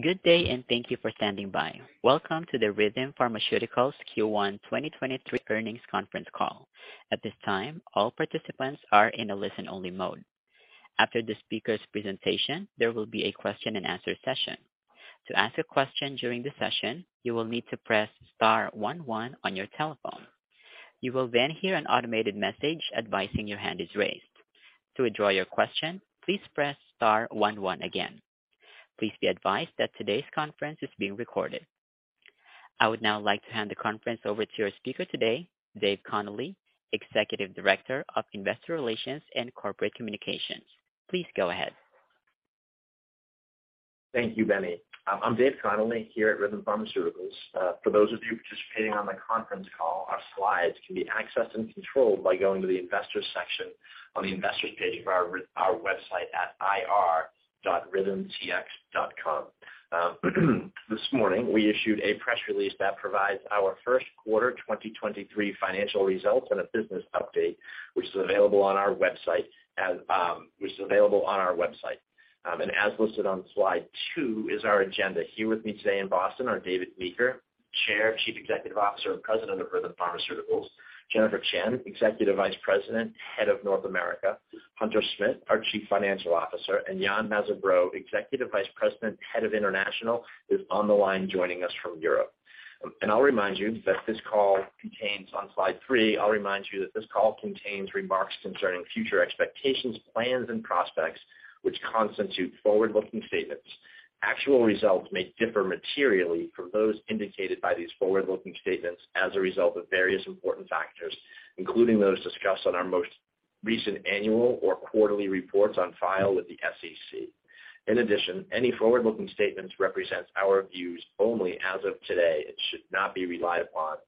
Good day, and thank you for standing by. Welcome to the Rhythm Pharmaceuticals Q1 2023 earnings conference call. At this time, all participants are in a listen-only mode. After the speaker's presentation, there will be a question-and-answer session. To ask a question during the session, you will need to press star one one on your telephone. You will then hear an automated message advising your hand is raised. To withdraw your question, please press star one one again. Please be advised that today's conference is being recorded. I would now like to hand the conference over to your speaker today, Dave Connolly, Executive Director of Investor Relations and Corporate Communications. Please go ahead. Thank you, Benny. I'm Dave Connolly here at Rhythm Pharmaceuticals. For those of you participating on the conference call, our slides can be accessed and controlled by going to the investors section on the investors page of our website at ir.rhythmtx.com. This morning we issued a press release that provides our first quarter 2023 financial results and a business update, which is available on our website. As listed on slide 2 is our agenda. Here with me today in Boston are David Meeker, Chair, Chief Executive Officer, and President of Rhythm Pharmaceuticals, Jennifer Chien, Executive Vice President, Head of North America, Hunter Smith, our Chief Financial Officer, and Yann Mazabraud, Executive Vice President, Head of International, who's on the line joining us from Europe. I'll remind you that this call contains. On slide 3, I'll remind you that this call contains remarks concerning future expectations, plans, and prospects, which constitute forward-looking statements. Actual results may differ materially from those indicated by these forward-looking statements as a result of various important factors, including those discussed on our most recent annual or quarterly reports on file with the SEC. Any forward-looking statements represents our views only as of today and should not be relied upon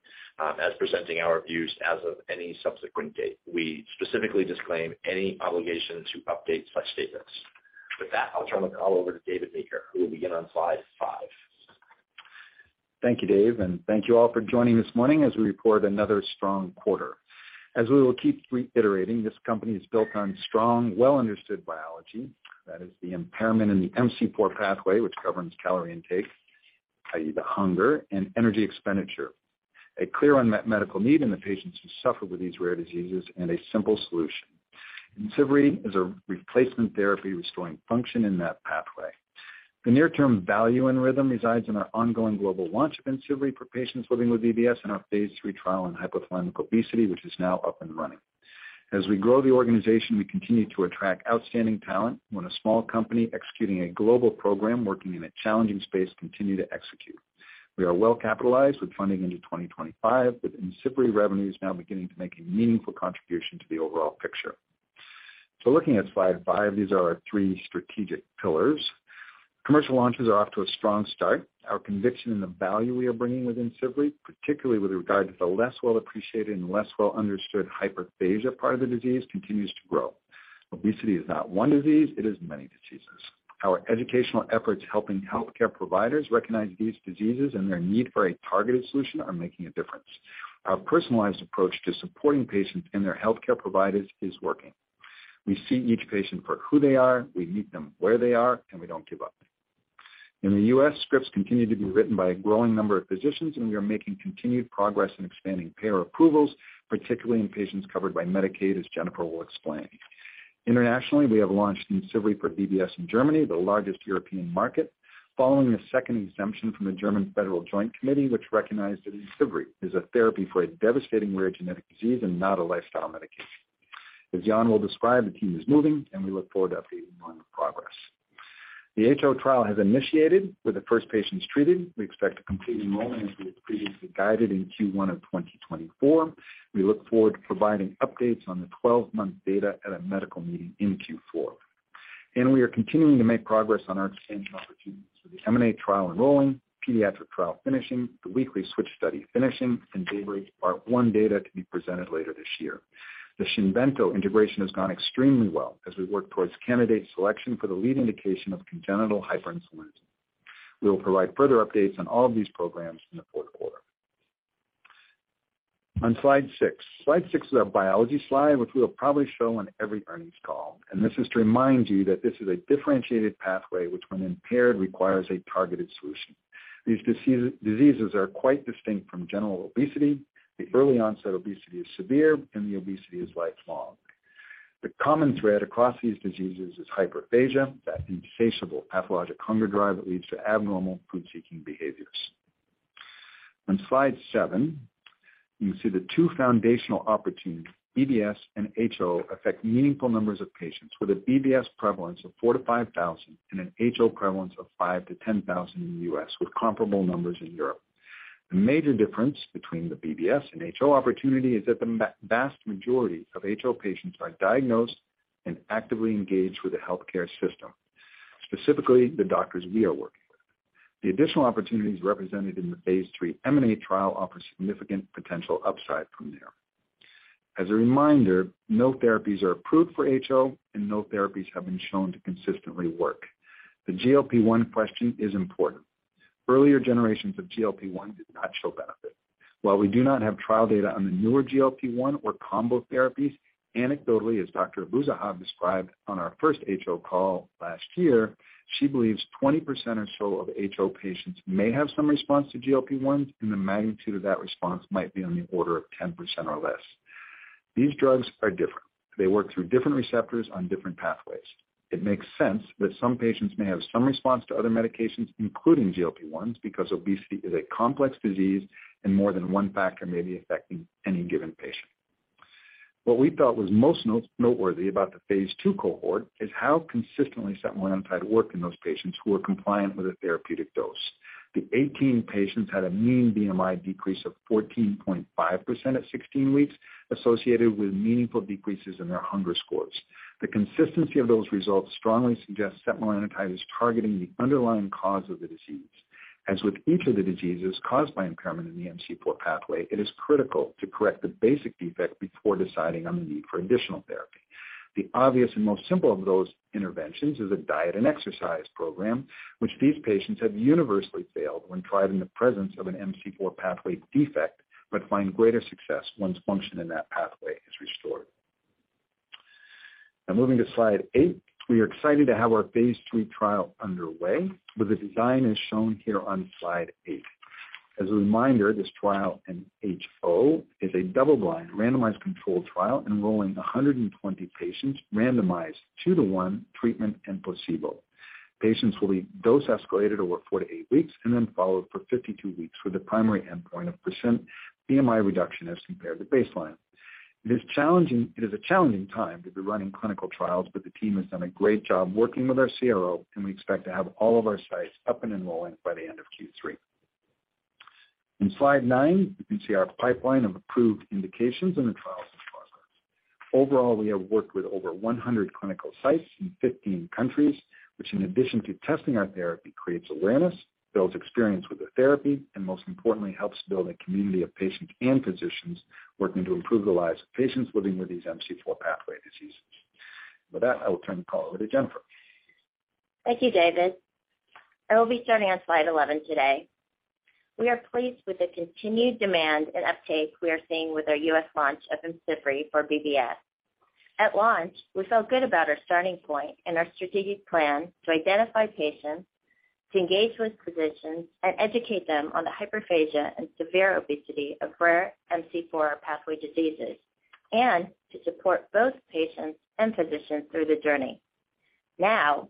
as presenting our views as of any subsequent date. We specifically disclaim any obligation to update such statements. With that, I'll turn the call over to David Meeker, who will begin on slide 5. Thank you, Dave, and thank you all for joining this morning as we report another strong quarter. As we will keep reiterating, this company is built on strong, well-understood biology. That is the impairment in the MC4R pathway, which governs calorie intake, i.e., the hunger and energy expenditure. A clear unmet medical need in the patients who suffer with these rare diseases and a simple solution. IMCIVREE is a replacement therapy restoring function in that pathway. The near term value in Rhythm resides in our ongoing global launch of IMCIVREE for patients living with BBS and our phase III trial in hypothalamic obesity, which is now up and running. As we grow the organization, we continue to attract outstanding talent. When a small company executing a global program working in a challenging space continue to execute. We are well capitalized with funding into 2025, with IMCIVREE revenues now beginning to make a meaningful contribution to the overall picture. Looking at slide 5, these are our three strategic pillars. Commercial launches are off to a strong start. Our conviction in the value we are bringing with IMCIVREE, particularly with regard to the less well-appreciated and less well-understood hyperphagia part of the disease, continues to grow. Obesity is not one disease, it is many diseases. Our educational efforts helping healthcare providers recognize these diseases and their need for a targeted solution are making a difference. Our personalized approach to supporting patients and their healthcare providers is working. We see each patient for who they are, we meet them where they are, and we don't give up. In the U.S., scripts continue to be written by a growing number of physicians. We are making continued progress in expanding payer approvals, particularly in patients covered by Medicaid, as Jennifer will explain. Internationally, we have launched IMCIVREE for BBS in Germany, the largest European market, following a second exemption from the German Federal Joint Committee, which recognized that IMCIVREE is a therapy for a devastating rare genetic disease and not a lifestyle medication. As Jan will describe, the team is moving, and we look forward to updating you on the progress. The HO trial has initiated, with the first patients treated. We expect to complete enrollment as we had previously guided in Q1 of 2024. We look forward to providing updates on the 12-month data at a medical meeting in Q4. We are continuing to make progress on our expansion opportunities with the M&A trial enrolling, pediatric trial finishing, the weekly switch study finishing, and DAYBREAK Part one data to be presented later this year. The Xinvento integration has gone extremely well as we work towards candidate selection for the lead indication of congenital hyperinsulinism. We will provide further updates on all of these programs in the fourth quarter. On slide 6. Slide 6 is our biology slide, which we will probably show on every earnings call. This is to remind you that this is a differentiated pathway which, when impaired, requires a targeted solution. These diseases are quite distinct from general obesity. The early onset obesity is severe, and the obesity is lifelong. The common thread across these diseases is hyperphagia, that insatiable pathologic hunger drive that leads to abnormal food-seeking behaviors. On slide 7, you can see the two foundational opportunities. BBS and HO affect meaningful numbers of patients with a BBS prevalence of 4,000-5,000 and an HO prevalence of 5,000-10,000 in the U.S., with comparable numbers in Europe. The major difference between the BBS and HO opportunity is that the vast majority of HO patients are diagnosed and actively engaged with the healthcare system, specifically the doctors we are working with. The additional opportunities represented in the phase 3 MNA trial offer significant potential upside from there. As a reminder, no therapies are approved for HO, and no therapies have been shown to consistently work. The GLP-1 question is important. Earlier generations of GLP-1 did not show benefit. While we do not have trial data on the newer GLP-1 or combo therapies, anecdotally, as Dr. Dr. Abuzzahab described on our first HO call last year, she believes 20% or so of HO patients may have some response to GLP-1, and the magnitude of that response might be on the order of 10% or less. These drugs are different. They work through different receptors on different pathways. It makes sense that some patients may have some response to other medications, including GLP-1 because obesity is a complex disease and more than one factor may be affecting any given patient. What we thought was most noteworthy about the phase II cohort is how consistently setmelanotide worked in those patients who are compliant with a therapeutic dose. The 18 patients had a mean BMI decrease of 14.5% at 16 weeks, associated with meaningful decreases in their hunger scores. The consistency of those results strongly suggests setmelanotide is targeting the underlying cause of the disease. As with each of the diseases caused by impairment in the MC4R pathway, it is critical to correct the basic defect before deciding on the need for additional therapy. The obvious and most simple of those interventions is a diet and exercise program, which these patients have universally failed when tried in the presence of an MC4R pathway defect, but find greater success once function in that pathway is restored. Moving to slide 8. We are excited to have our phase III trial underway, with the design as shown here on slide 8. As a reminder, this trial in HO is a double-blind, randomized controlled trial enrolling 120 patients randomized two to one treatment and placebo. Patients will be dose escalated over four to eight weeks and then followed for 52 weeks, with a primary endpoint of percent BMI reduction as compared to baseline. It is a challenging time to be running clinical trials, the team has done a great job working with our CRO, we expect to have all of our sites up and enrolling by the end of Q3. In slide 9, you can see our pipeline of approved indications and the trials thus far. Overall, we have worked with over 100 clinical sites in 15 countries, which in addition to testing our therapy, creates awareness, builds experience with the therapy, and most importantly, helps build a community of patients and physicians working to improve the lives of patients living with these MC4R pathway diseases. With that, I will turn the call over to Jennifer. Thank you, David. I will be starting on slide 11 today. We are pleased with the continued demand and uptake we are seeing with our U.S. launch of IMCIVREE for BBS. At launch, we felt good about our starting point and our strategic plan to identify patients, to engage with physicians and educate them on the hyperphagia and severe obesity of rare MC4R pathway diseases, and to support both patients and physicians through the journey. Now,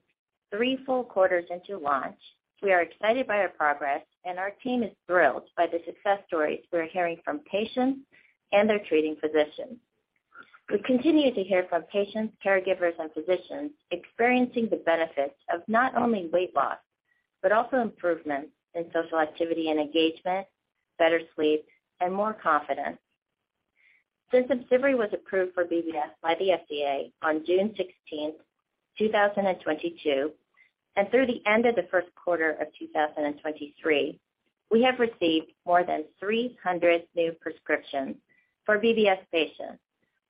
3 full quarters into launch, we are excited by our progress and our team is thrilled by the success stories we are hearing from patients and their treating physicians. We continue to hear from patients, caregivers and physicians experiencing the benefits of not only weight loss, but also improvements in social activity and engagement, better sleep and more confidence. Since IMCIVREE was approved for BBS by the FDA on June 16th, 2022, and through the end of the first quarter of 2023, we have received more than 300 new prescriptions for BBS patients,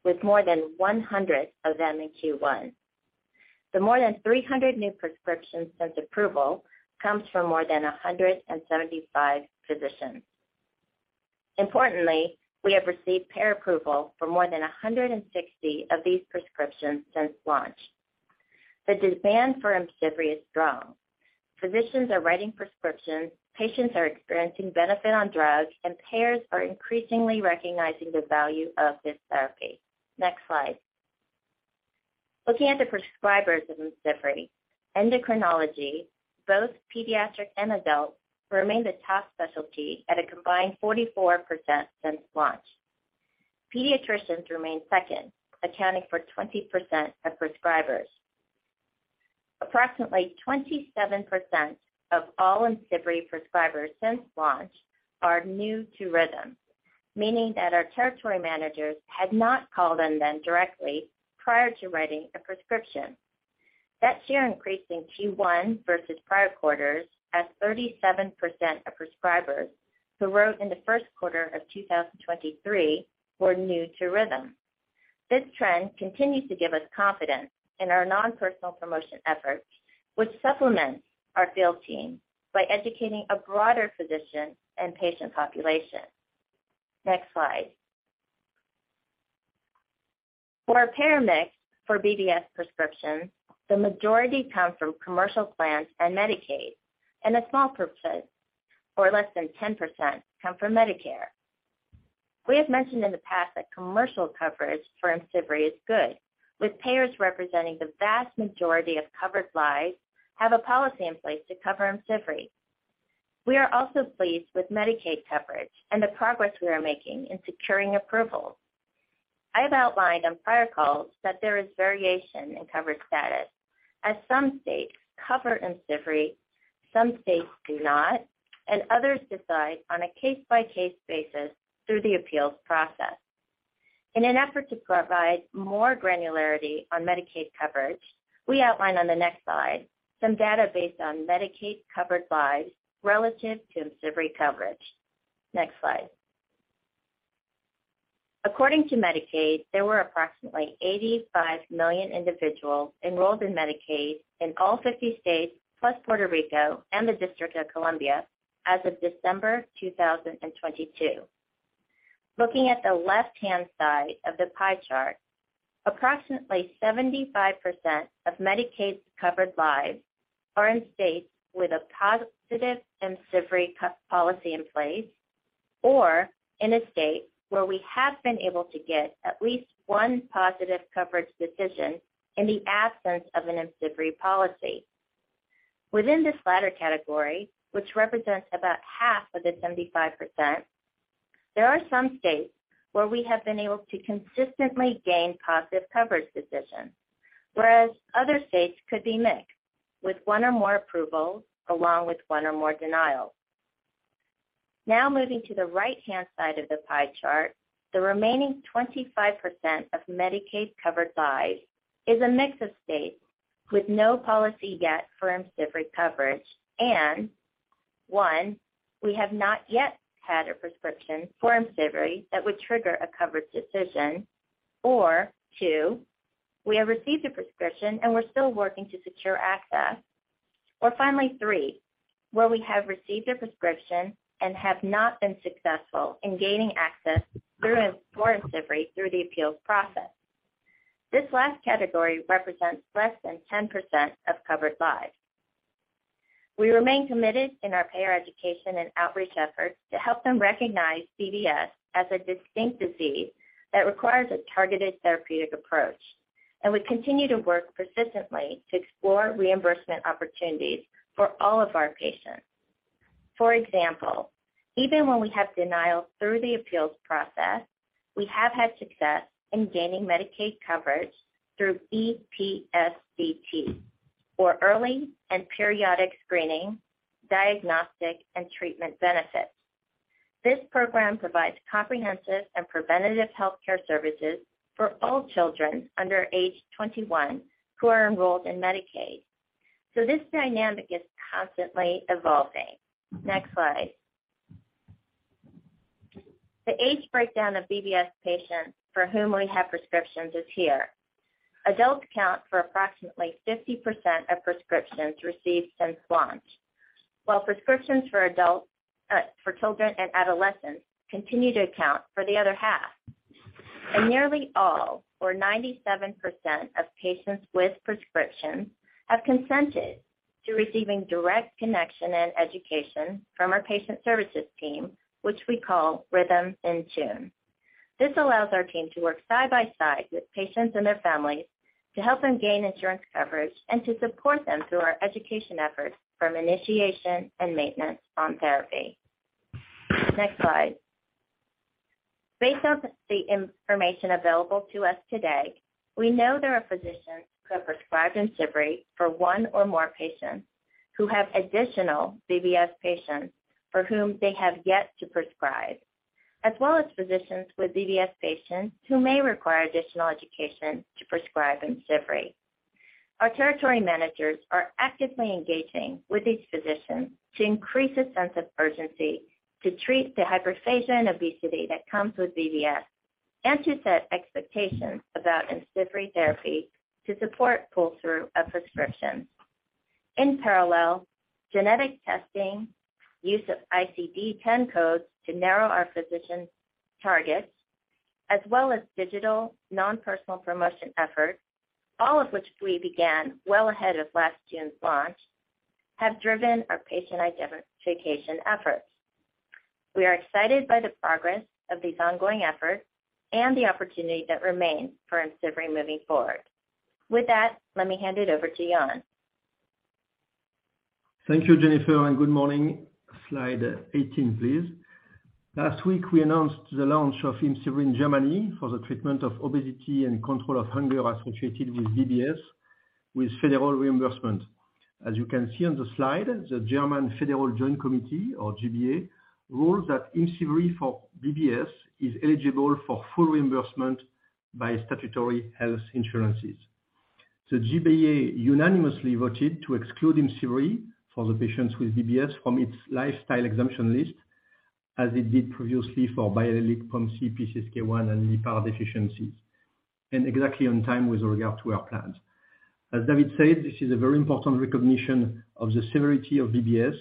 with more than 100 of them in Q1. The more than 300 new prescriptions since approval comes from more than 175 physicians. Importantly, we have received payer approval for more than 160 of these prescriptions since launch. The demand for IMCIVREE is strong. Physicians are writing prescriptions, patients are experiencing benefit on drug, and payers are increasingly recognizing the value of this therapy. Next slide. Looking at the prescribers of IMCIVREE, endocrinology, both pediatric and adult, remain the top specialty at a combined 44% since launch. pediatricians remain second, accounting for 20% of prescribers. Approximately 27% of all IMCIVREE prescribers since launch are new to Rhythm, meaning that our territory managers had not called on them directly prior to writing a prescription. That share increased in Q1 versus prior quarters, as 37% of prescribers who wrote in the first quarter of 2023 were new to Rhythm. This trend continues to give us confidence in our non-personal promotion efforts, which supplement our field team by educating a broader physician and patient population. Next slide. For our payer mix for BBS prescriptions, the majority come from commercial plans and Medicaid, and a small percent, or less than 10%, come from Medicare. We have mentioned in the past that commercial coverage for IMCIVREE is good, with payers representing the vast majority of covered lives have a policy in place to cover IMCIVREE. We are also pleased with Medicaid coverage and the progress we are making in securing approvals. I have outlined on prior calls that there is variation in coverage status as some states cover IMCIVREE, some states do not, and others decide on a case-by-case basis through the appeals process. In an effort to provide more granularity on Medicaid coverage, we outline on the next slide some data based on Medicaid-covered lives relative to IMCIVREE coverage. Next slide. According to Medicaid, there were approximately 85 million individuals enrolled in Medicaid in all 50 states, plus Puerto Rico and the District of Columbia as of December 2022. Looking at the left-hand side of the pie chart, approximately 75% of Medicaid's covered lives are in states with a positive and separate IMCIVREE policy in place, or in a state where we have been able to get at least 1+ coverage decision in the absence of an IMCIVREE policy. Within this latter category, which represents about half of the 75%, there are some states where we have been able to consistently gain positive coverage decisions, whereas other states could be mixed with one or more approvals along with one or more denials. Moving to the right-hand side of the pie chart, the remaining 25% of Medicaid covered lives is a mix of states with no policy yet for IMCIVREE coverage. one, we have not yet had a prescription for IMCIVREE that would trigger a coverage decision. Two, we have received a prescription, and we're still working to secure access. Finally, three, where we have received a prescription and have not been successful in gaining access through IMCIVREE through the appeals process. This last category represents less than 10% of covered lives. We remain committed in our payer education and outreach efforts to help them recognize BBS as a distinct disease that requires a targeted therapeutic approach. We continue to work persistently to explore reimbursement opportunities for all of our patients. For example, even when we have denial through the appeals process, we have had success in gaining Medicaid coverage through EPSDT or Early and Periodic Screening, Diagnostic, and Treatment benefits. This program provides comprehensive and preventative healthcare services for all children under age 21 who are enrolled in Medicaid. This dynamic is constantly evolving. Next slide. The age breakdown of BBS patients for whom we have prescriptions is here. Adults count for approximately 50% of prescriptions received since launch. While prescriptions for adults, for children and adolescents continue to account for the other half. Nearly all or 97% of patients with prescriptions have consented to receiving direct connection and education from our patient services team, which we call Rhythm in Tune. This allows our team to work side by side with patients and their families to help them gain insurance coverage and to support them through our education efforts from initiation and maintenance on therapy. Next slide. Based on the information available to us today, we know there are physicians who have prescribed IMCIVREE for one or more patients who have additional BBS patients for whom they have yet to prescribe, as well as physicians with BBS patients who may require additional education to prescribe IMCIVREE. Our territory managers are actively engaging with these physicians to increase a sense of urgency to treat the hyperphagia and obesity that comes with BBS and to set expectations about IMCIVREE therapy to support pull-through of prescriptions. In parallel, genetic testing, use of ICD-10 codes to narrow our physicians' targets, as well as digital non-personal promotion efforts, all of which we began well ahead of last June's launch, have driven our patient identification efforts. We are excited by the progress of these ongoing efforts and the opportunity that remains for IMCIVREE moving forward. With that, let me hand it over to Yann. Thank you, Jennifer. Good morning. Slide 18, please. Last week we announced the launch of IMCIVREE in Germany for the treatment of obesity and control of hunger associated with BBS with federal reimbursement. As you can see on the slide, the German Federal Joint Committee, or GBA, ruled that IMCIVREE for BBS is eligible for full reimbursement by statutory health insurances. The GBA unanimously voted to exclude IMCIVREE for the patients with BBS from its lifestyle exemption list, as it did previously for biallelic from PCSK1 and LEPR deficiencies, and exactly on time with regard to our plans. As David said, this is a very important recognition of the severity of BBS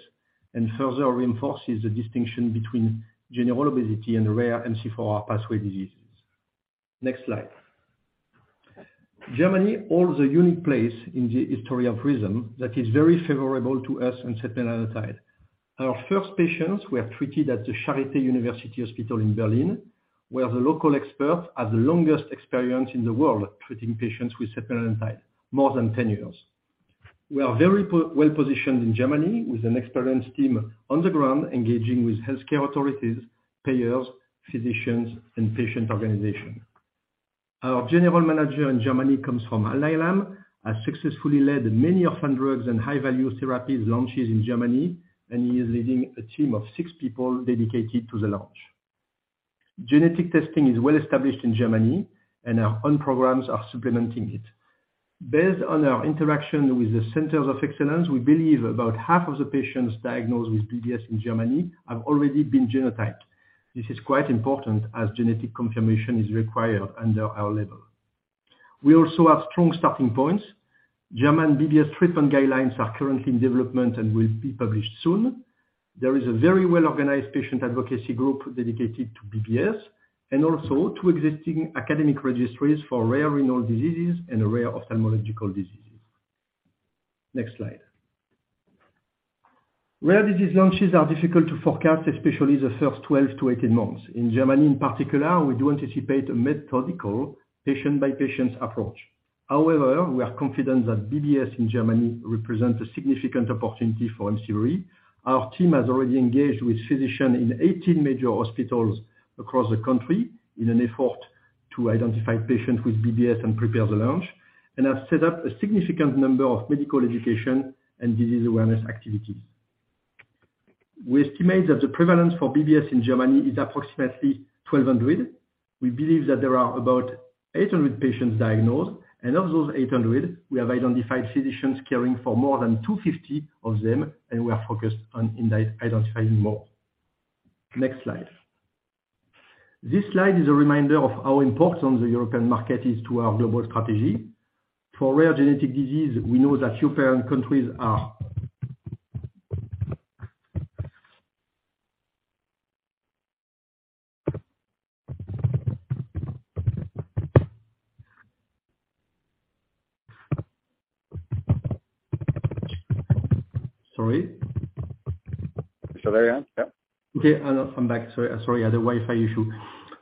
and further reinforces the distinction between general obesity and rare MC4R pathway diseases. Next slide. Germany holds a unique place in the history of Rhythm that is very favorable to us in setmelanotide. Our first patients were treated at the Charité University Hospital in Berlin, where the local experts have the longest experience in the world treating patients with setmelanotide, more than 10 years. We are very well positioned in Germany with an experienced team on the ground, engaging with healthcare authorities, payers, physicians and patient organization. Our general manager in Germany comes from Alnylam, has successfully led many orphan drugs and high-value therapies launches in Germany, and he is leading a team of six people dedicated to the launch. Genetic testing is well established in Germany, and our own programs are supplementing it. Based on our interaction with the centers of excellence, we believe about half of the patients diagnosed with BBS in Germany have already been genotyped. This is quite important as genetic confirmation is required under our label. We also have strong starting points. German BBS treatment guidelines are currently in development and will be published soon. There is a very well-organized patient advocacy group dedicated to BBS and also two existing academic registries for rare renal diseases and rare ophthalmological diseases. Next slide. Rare disease launches are difficult to forecast, especially the first 12-18 months. In Germany, in particular, we do anticipate a methodical patient-by-patient approach. However, we are confident that BBS in Germany represents a significant opportunity for IMCIVREE. Our team has already engaged with physicians in 18 major hospitals across the country in an effort to identify patients with BBS and prepare the launch and have set up a significant number of medical education and disease awareness activities. We estimate that the prevalence for BBS in Germany is approximately 1,200. We believe that there are about 800 patients diagnosed, and of those 800, we have identified physicians caring for more than 250 of them, and we are focused on identifying more. Next slide. This slide is a reminder of how important the European market is to our global strategy. For rare genetic disease, we know that European countries are Sorry. Is that better, yeah? Okay, I'm back. Sorry, I had a Wi-Fi issue.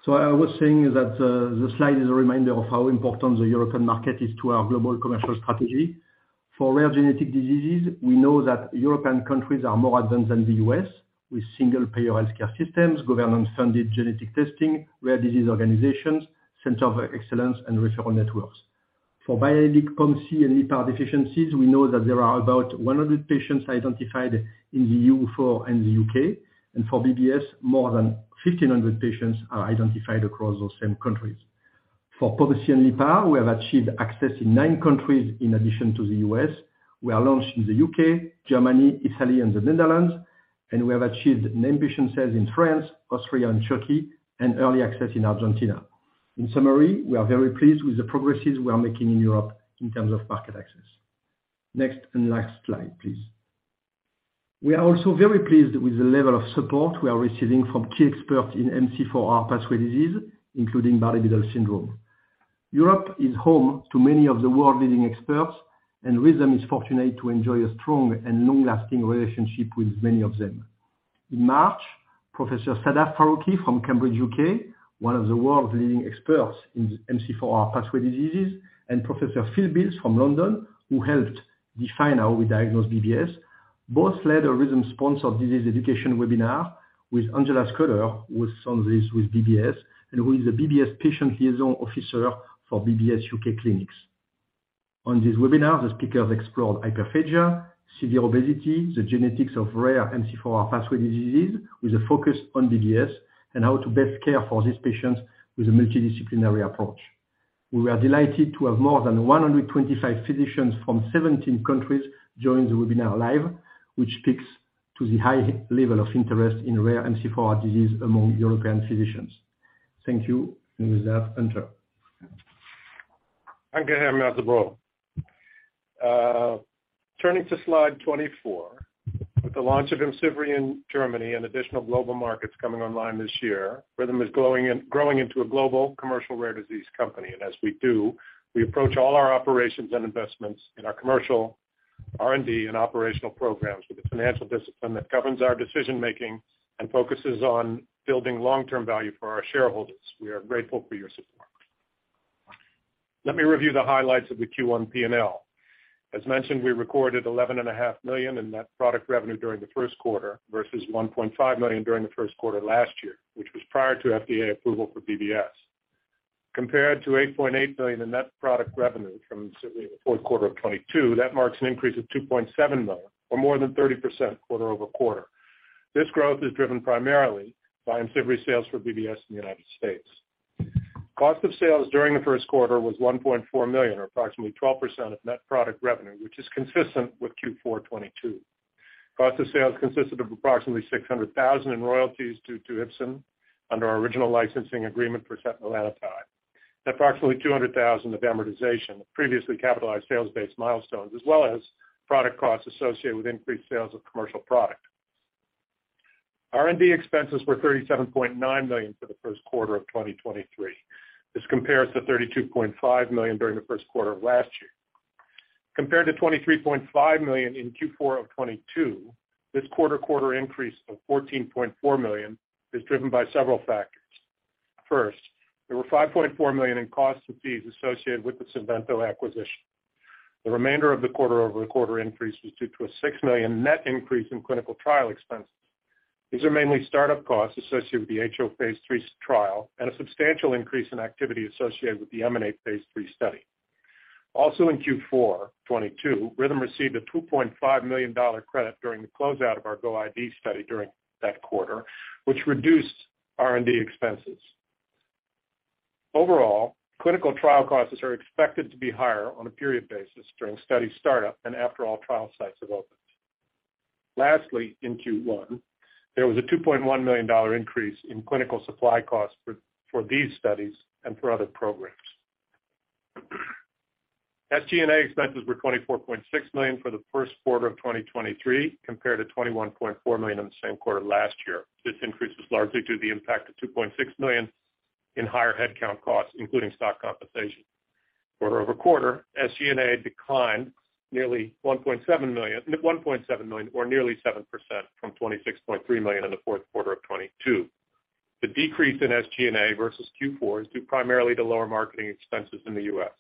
I was saying that the slide is a reminder of how important the European market is to our global commercial strategy. For rare genetic diseases, we know that European countries are more advanced than the U.S. with single-payer healthcare systems, government-funded genetic testing, rare disease organizations, center of excellence, and referral networks. For biotidic, POMC, and LEPR deficiencies, we know that there are about 100 patients identified in the EU4 and the U.K. For BBS, more than 1,500 patients are identified across those same countries. For POMC and LEPR, we have achieved access in 9 countries in addition to the U.S. We are launched in the U.K., Germany, Italy, and the Netherlands, and we have achieved ambition sales in France, Austria, and Turkey, and early access in Argentina. In summary, we are very pleased with the progresses we are making in Europe in terms of market access. Next and last slide, please. We are also very pleased with the level of support we are receiving from key experts in MC4R pathway disease, including Bardet-Biedl syndrome. Europe is home to many of the world-leading experts, and Rhythm is fortunate to enjoy a strong and long-lasting relationship with many of them. In March, Professor Sadaf Farooqi from Cambridge, UK, one of the world's leading experts in MC4R pathway diseases, and Professor Phil Beales from London, who helped define how we diagnose BBS, both led a Rhythm-sponsored disease education webinar with Angela Scudder, who has son with BBS, and who is a BBS patient liaison officer for BBS UK clinics. On this webinar, the speakers explored hyperphagia, severe obesity, the genetics of rare MC4R pathway diseases with a focus on BBS, and how to best care for these patients with a multidisciplinary approach. We were delighted to have more than 125 physicians from 17 countries join the webinar live, which speaks to the high level of interest in rare MC4R disease among European physicians. Thank you. And with that, Hunter. Thank you, Hervé and Matthew. Turning to slide 24, with the launch of IMCIVREE in Germany and additional global markets coming online this year, Rhythm is growing into a global commercial rare disease company. As we do, we approach all our operations and investments in our commercial R&D and operational programs with a financial discipline that governs our decision-making and focuses on building long-term value for our shareholders. We are grateful for your support. Let me review the highlights of the Q1 P&L. As mentioned, we recorded $11 and a half million in net product revenue during the first quarter versus $1.5 million during the first quarter last year, which was prior to FDA approval for BBS. Compared to $8.8 million in net product revenue from simply the fourth quarter of 2022, that marks an increase of $2.7 million or more than 30% quarter-over-quarter. This growth is driven primarily by IMCIVREE sales for BBS in the United States. Cost of sales during the first quarter was $1.4 million or approximately 12% of net product revenue, which is consistent with Q4 '22. Cost of sales consisted of approximately $600,000 in royalties due to Ipsen under our original licensing agreement for setmelanotide, and approximately $200,000 of amortization of previously capitalized sales-based milestones, as well as product costs associated with increased sales of commercial product. R&D expenses were $37.9 million for the first quarter of 2023. This compares to $32.5 million during the first quarter of last year. Compared to $23.5 million in Q4 2022, this quarter-over-quarter increase of $14.4 million is driven by several factors. First, there were $5.4 million in costs and fees associated with the Xinvento acquisition. The remainder of the quarter-over-quarter increase was due to a $6 million net increase in clinical trial expenses. These are mainly start-up costs associated with the HO Phase III trial and a substantial increase in activity associated with the MNA Phase III study. In Q4 2022, Rhythm received a $2.5 million credit during the closeout of our GO IV study during that quarter, which reduced R&D expenses. Overall, clinical trial costs are expected to be higher on a period basis during study startup and after all trial sites have opened. Lastly, in Q1, there was a $2.1 million increase in clinical supply costs for these studies and for other programs. SG&A expenses were $24.6 million for the first quarter of 2023 compared to $21.4 million in the same quarter last year. This increase is largely due to the impact of $2.6 million in higher headcount costs, including stock compensation. For over a quarter, SG&A declined nearly $1.7 million or nearly 7% from $26.3 million in the fourth quarter of 2022. The decrease in SG&A versus Q4 is due primarily to lower marketing expenses in the U.S.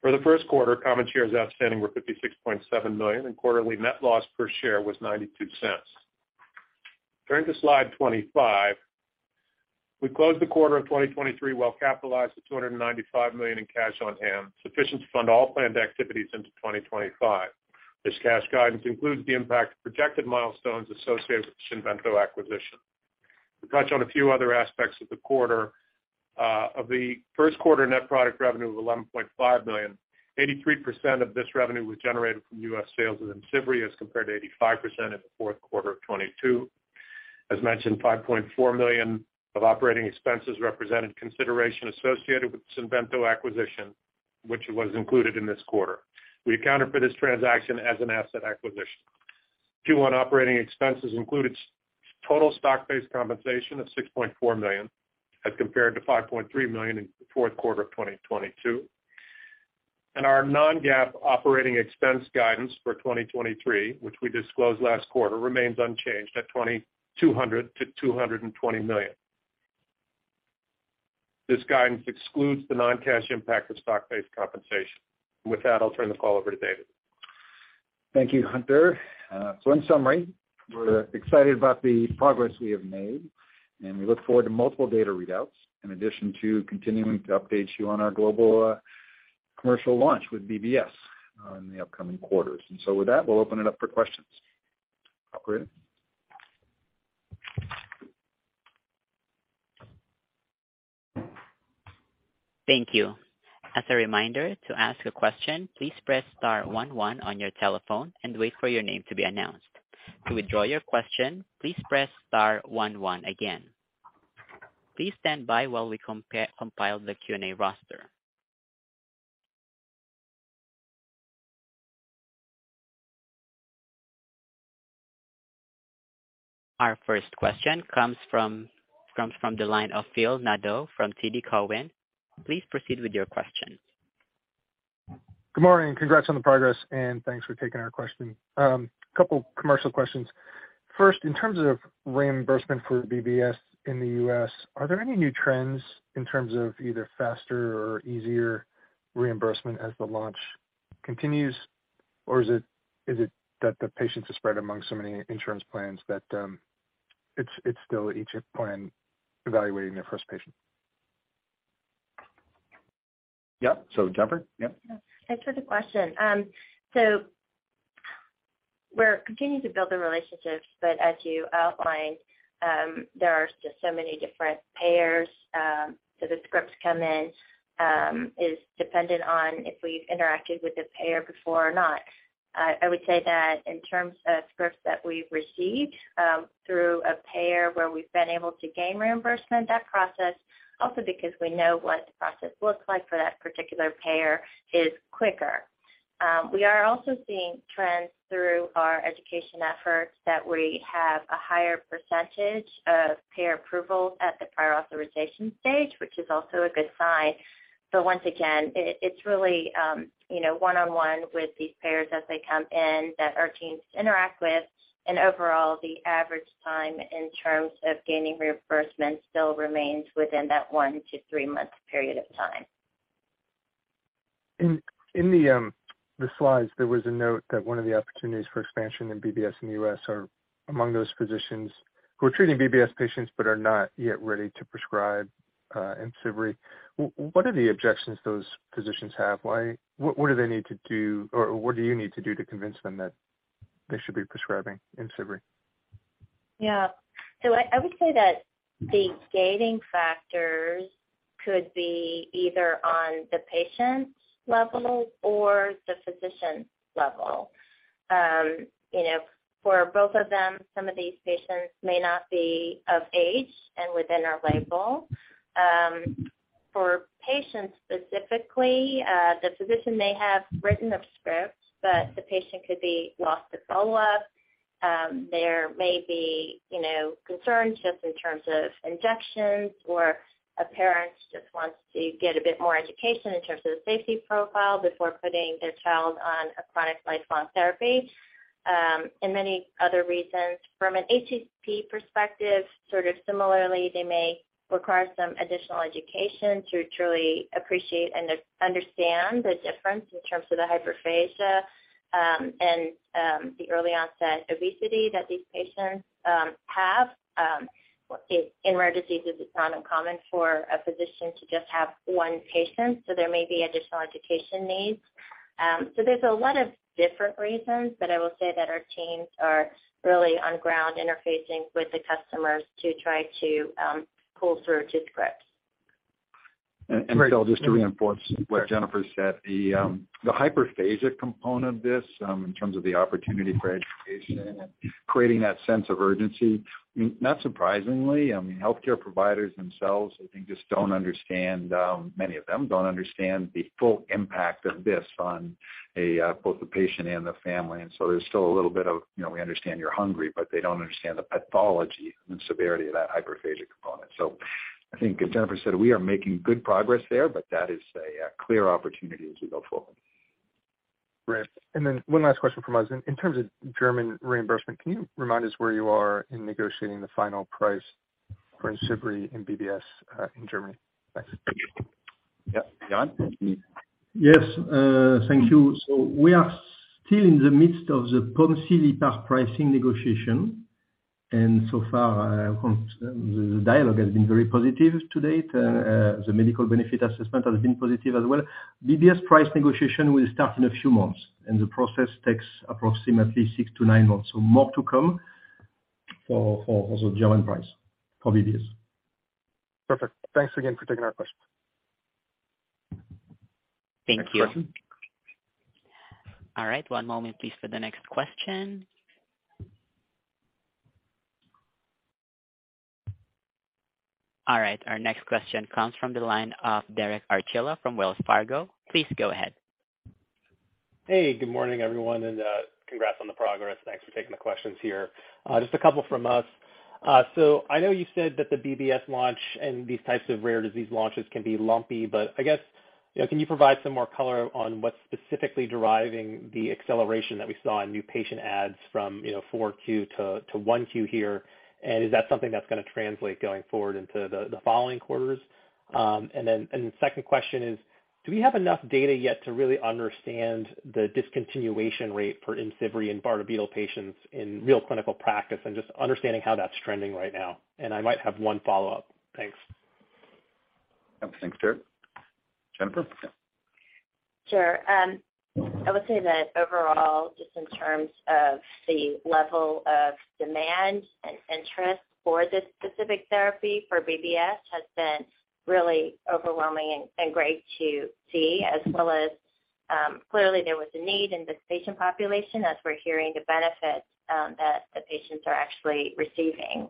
For the first quarter, common shares outstanding were 56.7 million, and quarterly net loss per share was $0.92. Turning to slide 25. We closed the quarter of 2023 well capitalized at $295 million in cash on hand, sufficient to fund all planned activities into 2025. This cash guidance includes the impact of projected milestones associated with Xinvento acquisition. To touch on a few other aspects of the quarter, of the first quarter net product revenue of $11.5 million, 83% of this revenue was generated from U.S. sales of IMCIVREE, as compared to 85% in the fourth quarter of 2022. As mentioned, $5.4 million of operating expenses represented consideration associated with Xinvento acquisition, which was included in this quarter. We accounted for this transaction as an asset acquisition. Q1 operating expenses included total stock-based compensation of $6.4 million as compared to $5.3 million in the fourth quarter of 2022. Our non-GAAP operating expense guidance for 2023, which we disclosed last quarter, remains unchanged at 2,200 to $220 million. This guidance excludes the non-cash impact of stock-based compensation. With that, I'll turn the call over to David. Thank you, Hunter. In summary, we're excited about the progress we have made, and we look forward to multiple data readouts in addition to continuing to update you on our global commercial launch with BBS in the upcoming quarters. With that, we'll open it up for questions. Operator? Thank you. As a reminder, to ask a question, please press star one one on your telephone and wait for your name to be announced. To withdraw your question, please press star one one again. Please stand by while we compile the Q&A roster. Our first question comes from the line of Phil Nadeau from TD Cowen. Please proceed with your question. Good morning, and congrats on the progress, and thanks for taking our question. A couple commercial questions. First, in terms of reimbursement for BBS in the U.S., are there any new trends in terms of either faster or easier reimbursement as the launch continues? Or is it that the patients are spread among so many insurance plans that, it's still each plan evaluating their first patient? Yeah. Jennifer? Yeah. Thanks for the question. We're continuing to build the relationships, but as you outlined, there are just so many different payers. The scripts come in, is dependent on if we've interacted with the payer before or not. I would say that in terms of scripts that we've received, through a payer where we've been able to gain reimbursement, that process, also because we know what the process looks like for that particular payer, is quicker. We are also seeing trends through our education efforts that we have a higher percentage of payer approvals at the prior authorization stage, which is also a good sign. Once again, it's really, you know, one-on-one with these payers as they come in that our teams interact with. Overall, the average time in terms of gaining reimbursement still remains within that one to three month period of time. In the slides, there was a note that one of the opportunities for expansion in BBS in the U.S. are among those physicians who are treating BBS patients but are not yet ready to prescribe IMCIVREE. What are the objections those physicians have? Why what do they need to do, or what do you need to do to convince them that they should be prescribing IMCIVREE? I would say that the gating factors could be either on the patient's level or the physician's level. You know, for both of them, some of these patients may not be of age and within our label. For patients specifically, the physician may have written a script, but the patient could be lost to follow-up. There may be, you know, concerns just in terms of injections or a parent just wants to get a bit more education in terms of the safety profile before putting their child on a chronic lifelong therapy, and many other reasons. From an HCP perspective, sort of similarly, they may require some additional education to truly appreciate and understand the difference in terms of the hyperphagia and the early onset obesity that these patients have. In, in rare diseases, it's not uncommon for a physician to just have one patient, so there may be additional education needs. There's a lot of different reasons, but I will say that our teams are really on ground interfacing with the customers to try to pull through to scripts. Phil, just to reinforce what Jennifer said, the hyperphagia component of this, in terms of the opportunity for education and creating that sense of urgency, not surprisingly, I mean, healthcare providers themselves, I think just don't understand, many of them don't understand the full impact of this on a, both the patient and the family. There's still a little bit of, you know, we understand you're hungry, but they don't understand the pathology and severity of that hyperphagia component. I think as Jennifer said, we are making good progress there, but that is a clear opportunity as we go forward. Great. Then one last question from us. In terms of German reimbursement, can you remind us where you are in negotiating the final price for IMCIVREE in BBS in Germany? Thanks. Yeah. John? Yes, thank you. We are still in the midst of the pricing negotiation. So far, the dialogue has been very positive to date. The medical benefit assessment has been positive as well. BBS price negotiation will start in a few months, and the process takes approximately six to nine months. More to come for the German price for BBS. Perfect. Thanks again for taking our question. Thank you. All right, one moment, please, for the next question. All right, our next question comes from the line of Derek Archila from Wells Fargo. Please go ahead. Hey, good morning, everyone, congrats on the progress. Thanks for taking the questions here. Just a couple from us. I know you said that the BBS launch and these types of rare disease launches can be lumpy, but I guess, you know, can you provide some more color on what's specifically deriving the acceleration that we saw in new patient adds from, you know, 4Q to 1Q here? Is that something that's gonna translate going forward into the following quarters? The second question is, do we have enough data yet to really understand the discontinuation rate for IMCIVREE in Bartter fetal patients in real clinical practice and just understanding how that's trending right now? I might have one follow-up. Thanks. Thanks, Derek. Jennifer? Sure. I would say that overall, just in terms of the level of demand and interest for this specific therapy for BBS has been really overwhelming and great to see, as well as, clearly there was a need in this patient population as we're hearing the benefits that the patients are actually receiving.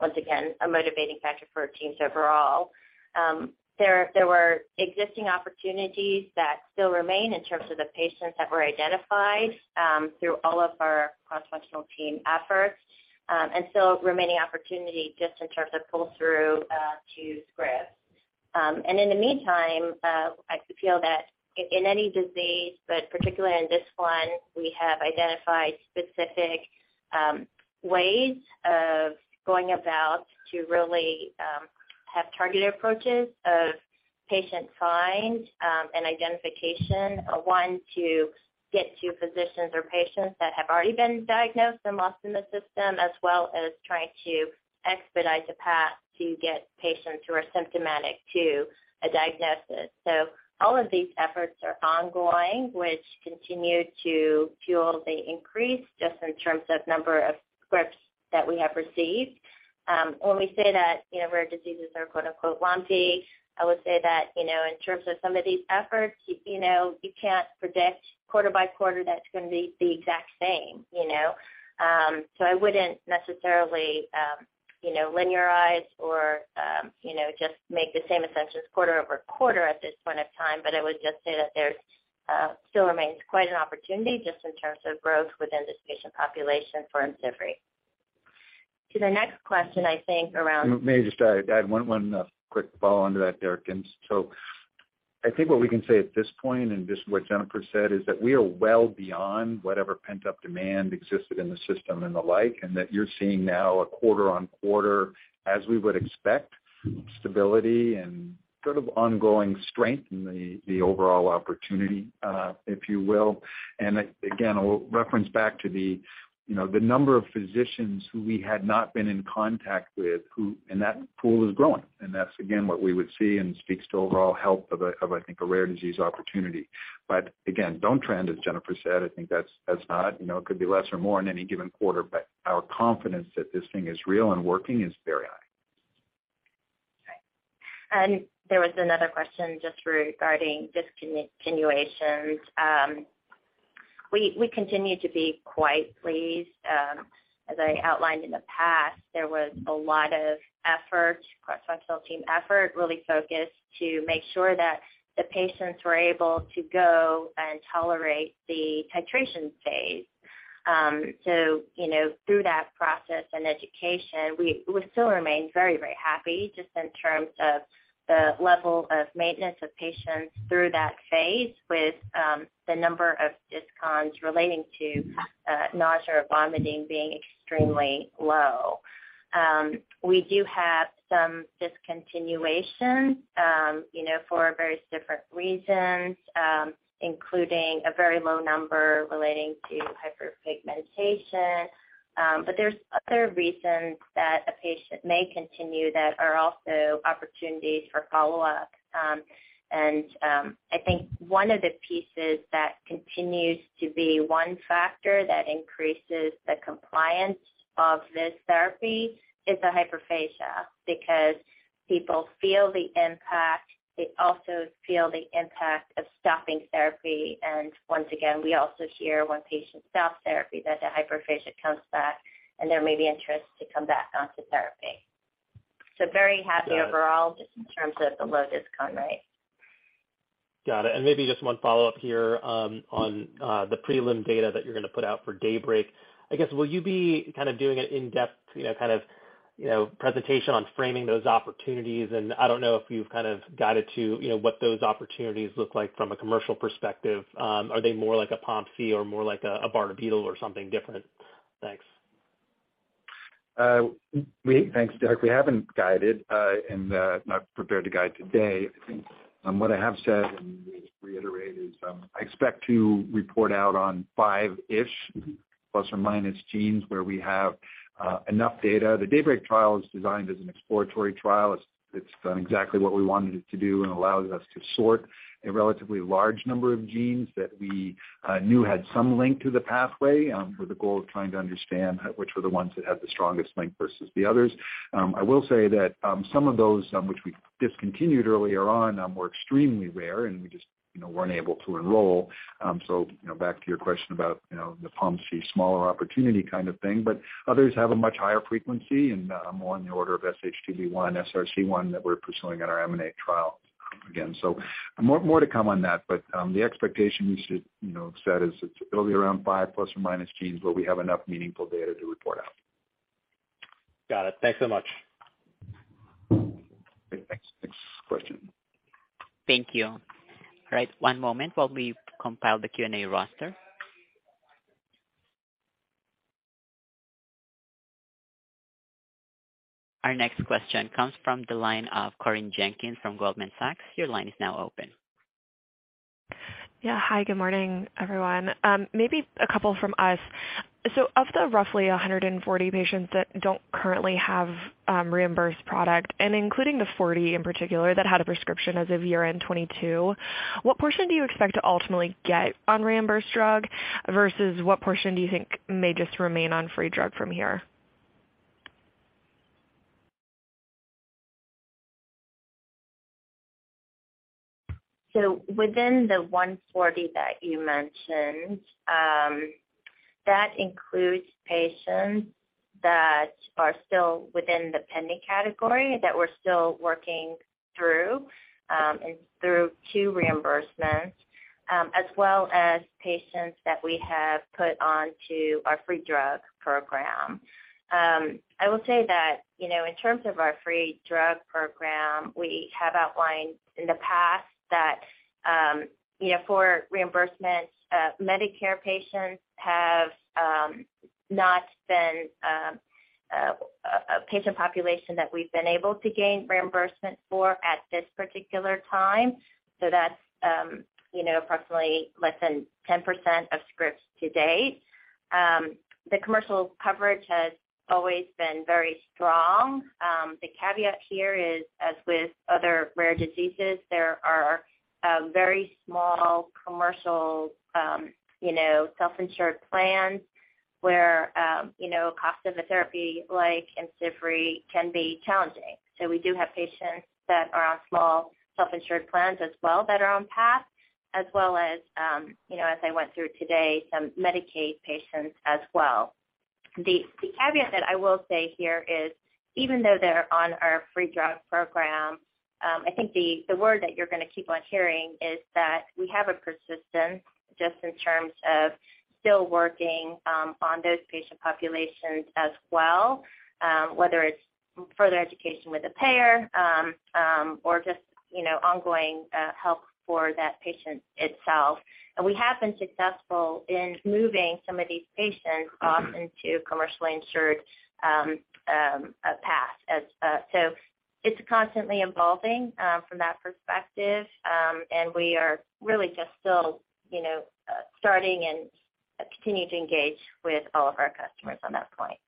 Once again, a motivating factor for our teams overall. There, there were existing opportunities that still remain in terms of the patients that were identified through all of our cross-functional team efforts, and still remaining opportunity just in terms of pull-through to scripts. In the meantime, I feel that in any disease, but particularly in this one, we have identified specific ways of going about to really have targeted approaches of patient find and identification, one, to get to physicians or patients that have already been diagnosed and lost in the system, as well as trying to expedite the path to get patients who are symptomatic to a diagnosis. All of these efforts are ongoing, which continue to fuel the increase just in terms of number of scripts that we have received. When we say that, you know, rare diseases are "lumpy," I would say that, you know, in terms of some of these efforts, you know, you can't predict quarter by quarter, that's gonna be the exact same, you know. I wouldn't necessarily, you know, linearize or, you know, just make the same assumptions quarter-over-quarter at this point of time. I would just say that there still remains quite an opportunity just in terms of growth within this patient population for IMCIVREE. May I just add one quick follow-on to that, Derek Archila? I think what we can say at this point, and this is what Jennifer Chien said, is that we are well beyond whatever pent-up demand existed in the system and the like, and that you're seeing now a quarter-on-quarter, as we would expect, stability and sort of ongoing strength in the overall opportunity, if you will. Again, I'll reference back to the, you know, the number of physicians who we had not been in contact with. That pool is growing. That's again, what we would see and speaks to overall health of, I think, a rare disease opportunity. Again, don't trend, as Jennifer Chien said. I think that's not. You know, it could be less or more in any given quarter, but our confidence that this thing is real and working is very high. There was another question just regarding discontinuations. We continue to be quite pleased. As I outlined in the past, there was a lot of effort, cross-functional team effort, really focused to make sure that the patients were able to go and tolerate the titration phase. You know, through that process and education, we still remain very, very happy just in terms of the level of maintenance of patients through that phase with the number of discons relating to nausea or vomiting being extremely low. We do have some discontinuation, you know, for various different reasons, including a very low number relating to hyperpigmentation. There's other reasons that a patient may continue that are also opportunities for follow-up. I think one of the pieces that continues to be one factor that increases the compliance of this therapy is the hyperphagia because people feel the impact. They also feel the impact of stopping therapy. Once again, we also hear when patients stop therapy, that the hyperphagia comes back, and there may be interest to come back onto therapy. Very happy overall just in terms of the low discount rate. Got it. Maybe just one follow-up here, on the prelim data that you're gonna put out for DAYBREAK. I guess, will you be kind of doing an in-depth, you know, kind of, you know, presentation on framing those opportunities? I don't know if you've kind of guided to, you know, what those opportunities look like from a commercial perspective. Are they more like a POMC or more like a Barnabeal or something different? Thanks. thanks, Derek. We haven't guided, and not prepared to guide today. What I have said, and we just reiterate, is I expect to report out on 5-ish ± genes where we have enough data. The DAYBREAK trial is designed as an exploratory trial. It's done exactly what we wanted it to do and allows us to sort a relatively large number of genes that we knew had some link to the pathway with the goal of trying to understand which were the ones that had the strongest link versus the others. I will say that some of those, which we discontinued earlier on, were extremely rare and we just, you know, weren't able to enroll. You know, back to your question about, you know, the Pomfy smaller opportunity kind of thing, but others have a much higher frequency, and more on the order of SHTV1, SRC1 that we're pursuing in our M and A trial again. More, more to come on that, but the expectation we should, you know, set is it'll be around five ± genes, but we have enough meaningful data to report out. Got it. Thanks so much. Great. Thanks. Next question. Thank you. All right. One moment while we compile the Q&A roster. Our next question comes from the line of Corinne Jenkins from Goldman Sachs. Your line is now open. Hi, good morning, everyone. Maybe a couple from us. Of the roughly 140 patients that don't currently have reimbursed product, and including the 40 in particular that had a prescription as of year-end 2022, what portion do you expect to ultimately get on reimbursed drug versus what portion do you think may just remain on free drug from here? Within the 140 that you mentioned, that includes patients that are still within the pending category that we're still working through, and through 2 reimbursements, as well as patients that we have put onto our free drug program. I will say that, you know, in terms of our free drug program, we have outlined in the past that, you know, for reimbursements, Medicare patients have not been a patient population that we've been able to gain reimbursement for at this particular time. That's, you know, approximately less than 10% of scripts to date. The commercial coverage has always been very strong. The caveat here is, as with other rare diseases, there are very small commercial, you know, self-insured plans where, you know, cost of a therapy like IMCIVREE can be challenging. We do have patients that are on small self-insured plans as well that are on path as well as, you know, as I went through today, some Medicaid patients as well. The caveat that I will say here is even though they're on our free drug program, I think the word that you're gonna keep on hearing is that we have a persistence just in terms of still working on those patient populations as well, whether it's further education with a payer, or just, you know, ongoing help for that patient itself. We have been successful in moving some of these patients off into commercially insured path as. It's constantly evolving from that perspective. We are really just still, you know, starting and continue to engage with all of our customers on that point.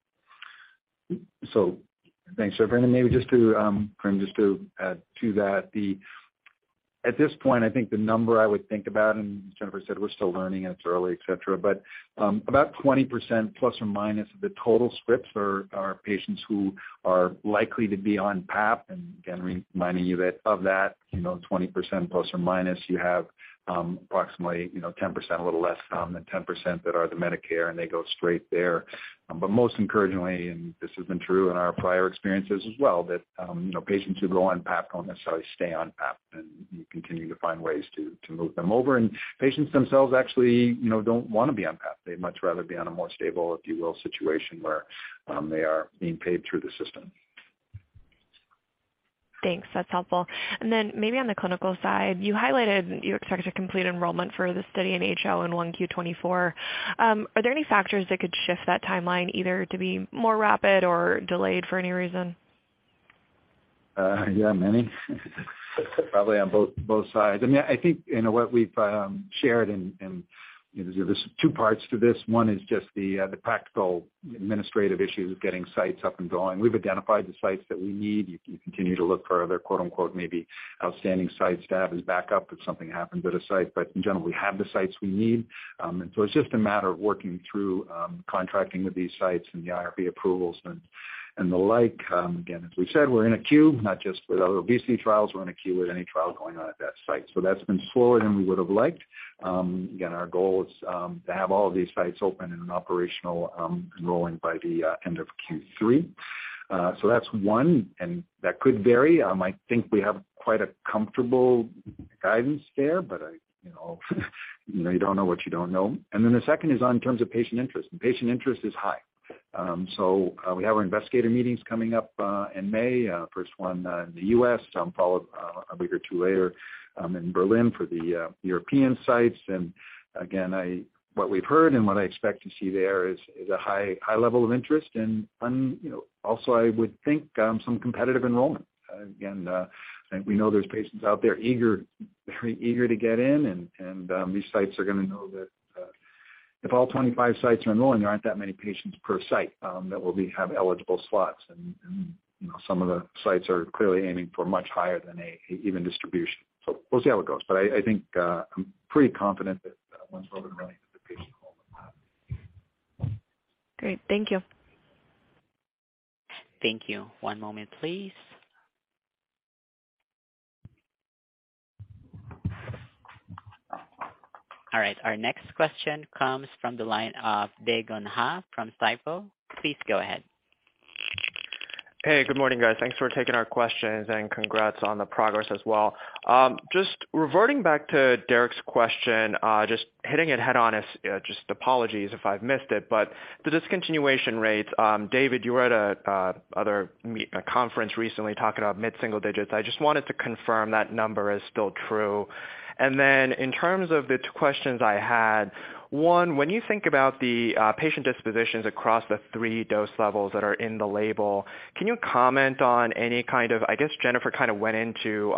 Thanks, Jennifer. Maybe just to Corinne, just to add to that, at this point, I think the number I would think about, and as Jennifer said, we're still learning and it's early, et cetera, but about 20% ± of the total scripts are patients who are likely to be on PAP. Again, reminding you that of that, you know, 20% ±, you have approximately, you know, 10%, a little less than 10% that are the Medicare, and they go straight there. Most encouragingly, and this has been true in our prior experiences as well, that, you know, patients who go on PAP don't necessarily stay on PAP, and you continue to find ways to move them over. Patients themselves actually, you know, don't wanna be on PAP. They'd much rather be on a more stable, if you will, situation where, they are being paid through the system. Thanks. That's helpful. Maybe on the clinical side, you highlighted you expect to complete enrollment for the study in HO in 1Q 2024. Are there any factors that could shift that timeline either to be more rapid or delayed for any reason? Yeah, many. Probably on both sides. I mean, I think, you know, what we've shared and there's two parts to this. One is just the practical administrative issue of getting sites up and going. We've identified the sites that we need. You can continue to look for other, quote-unquote, "maybe outstanding sites" to have as backup if something happens at a site. In general, we have the sites we need. And so it's just a matter of working through contracting with these sites and the IRB approvals and the like. Again, as we said, we're in a queue, not just with our obesity trials. We're in a queue with any trial going on at that site. That's been slower than we would have liked. Again, our goal is to have all of these sites open in an operational, enrolling by the end of Q3. That's one, and that could vary. I think we have quite a comfortable guidance there, but I, you know, you don't know what you don't know. The second is on terms of patient interest, and patient interest is high. We have our investigator meetings coming up in May, first one in the U.S., followed a week or two later in Berlin for the European sites. Again, what we've heard and what I expect to see there is a high level of interest and you know, also I would think, some competitive enrollment. Again, I think we know there's patients out there eager, very eager to get in and, these sites are gonna know that, if all 25 sites are enrolling, there aren't that many patients per site, that will be have eligible slots. You know, some of the sites are clearly aiming for much higher than a even distribution. We'll see how it goes. I think, I'm pretty confident that once we're up and running that the patient enrollment. Great. Thank you. Thank you. One moment, please. All right, our next question comes from the line of Dae Gon Ha from Stifel. Please go ahead. Hey, good morning, guys. Thanks for taking our questions, congrats on the progress as well. Just reverting back to Derek's question, just hitting it head on is, just apologies if I've missed it. The discontinuation rates, David, you were at a conference recently talking about mid-single digits. I just wanted to confirm that number is still true. In terms of the two questions I had, one, when you think about the patient dispositions across the 3 dose levels that are in the label, can you comment on any kind of... I guess Jennifer kind of went into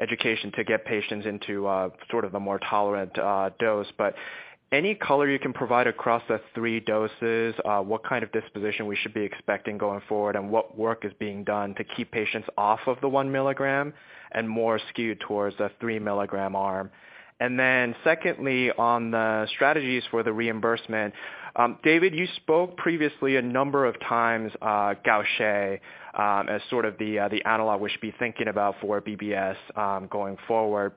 education to get patients into sort of a more tolerant dose. Any color you can provide across the 3 doses, what kind of disposition we should be expecting going forward and what work is being done to keep patients off of the 1 milligram and more skewed towards the 3 milligram arm? Secondly, on the strategies for the reimbursement, David, you spoke previously a number of times, Gaucher, as sort of the analog we should be thinking about for BBS going forward.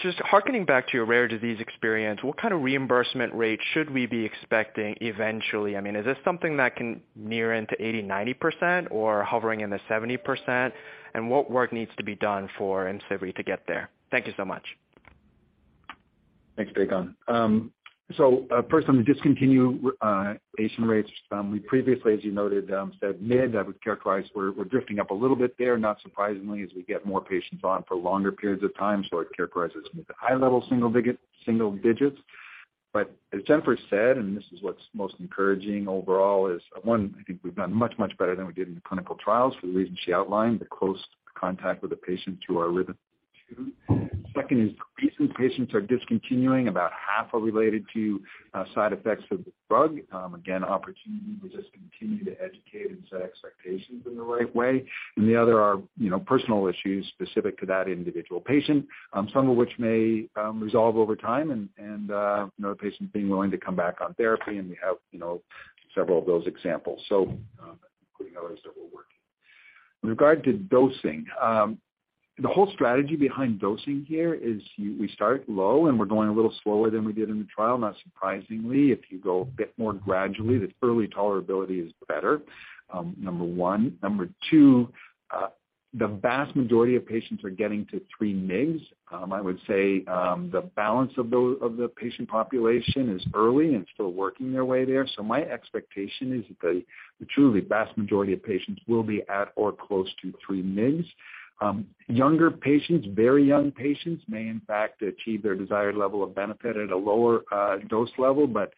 Just hearkening back to your rare disease experience, what kind of reimbursement rate should we be expecting eventually? I mean, is this something that can near into 80%-90% or hovering in the 70%? What work needs to be done for IMCIVREE to get there? Thank you so much. Thanks, Dae Gon. First on the discontinuation rates, we previously, as you noted, said mid. I would characterize we're drifting up a little bit there, not surprisingly, as we get more patients on for longer periods of time. I'd characterize this as high level single digits. As Jennifer said, and this is what's most encouraging overall, is, one, I think we've done much, much better than we did in the clinical trials for the reasons she outlined, the close contact with the patient through our rhythm of two. Second is the reason patients are discontinuing about half are related to side effects of the drug. Again, opportunity to just continue to educate and set expectations in the right way. The other are, you know, personal issues specific to that individual patient, some of which may resolve over time and, you know, patients being willing to come back on therapy, and we have, you know, several of those examples. Including others that we're working. In regard to dosing, the whole strategy behind dosing here is we start low, and we're going a little slower than we did in the trial. Not surprisingly, if you go a bit more gradually, the early tolerability is better, number 1. Number 2, the vast majority of patients are getting to 3 mgs. I would say, the balance of the patient population is early and still working their way there. My expectation is that the truly vast majority of patients will be at or close to 3 mgs. Younger patients, very young patients may in fact achieve their desired level of benefit at a lower dose level. If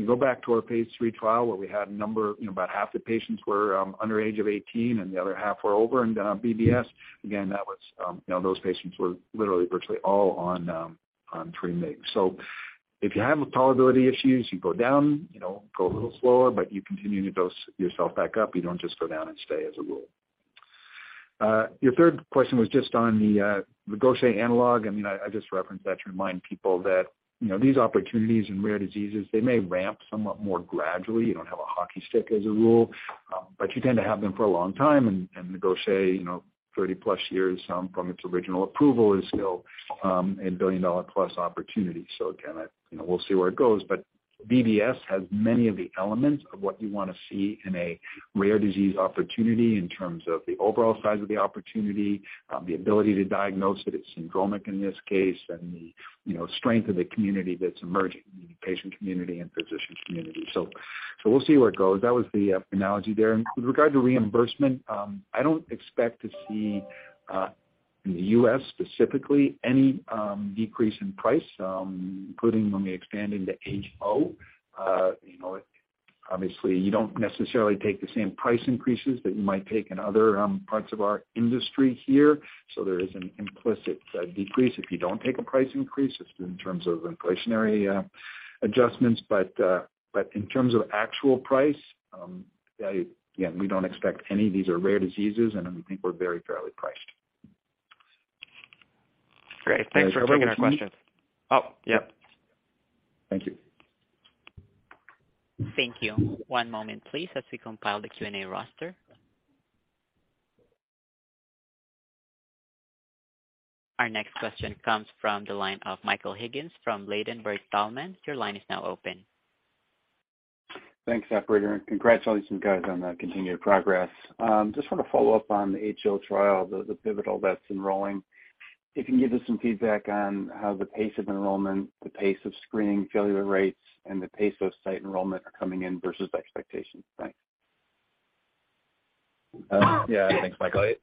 you go back to our phase 3 trial where we had a number, you know, about half the patients were under age of 18 and the other half were over, and BBS, again, that was, you know, those patients were literally virtually all on 3 mgs. If you have tolerability issues, you go down, you know, go a little slower, but you continue to dose yourself back up. You don't just go down and stay as a rule. Your third question was just on the Gaucher analog. I mean, I just referenced that to remind people that, you know, these opportunities in rare diseases, they may ramp somewhat more gradually. You don't have a hockey stick as a rule, but you tend to have them for a long time, the Gaucher, you know, 30-plus years from its original approval is still a billion-dollar-plus opportunity. Again, I, you know, we'll see where it goes. BBS has many of the elements of what you wanna see in a rare disease opportunity in terms of the overall size of the opportunity, the ability to diagnose it. It's syndromic in this case, the, you know, strength of the community that's emerging, the patient community and physician community. We'll see where it goes. That was the analogy there. With regard to reimbursement, I don't expect to see in the U.S. specifically any decrease in price, including when we expand into HO. you know, obviously, you don't necessarily take the same price increases that you might take in other parts of our industry here. There is an implicit decrease if you don't take a price increase just in terms of inflationary adjustments. In terms of actual price, Yeah, we don't expect any. These are rare diseases, and we think we're very fairly priced. Great. Thanks for taking our questions. Yeah. If everybody's Oh, yep. Thank you. Thank you. One moment please, as we compile the Q&A roster. Our next question comes from the line of Michael Higgins from Ladenburg Thalmann. Your line is now open. Thanks, operator. Congratulations guys on the continued progress. Just wanna follow up on the HO trial, the pivotal that's enrolling. If you can give us some feedback on how the pace of enrollment, the pace of screening, failure rates, and the pace of site enrollment are coming in versus expectations? Thanks. Yeah. Thanks, Michael.